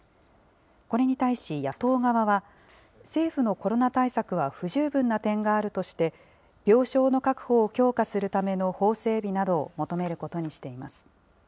これに対し野党側は、政府のコロナ対策は不十分な点があるとして、病床の確保を強化するための法整備などを求めることにしています。